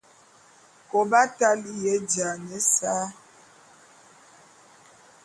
Kôbata a li'iya éjiane ésa.